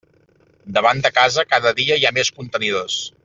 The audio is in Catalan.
Davant de casa cada dia hi ha més contenidors.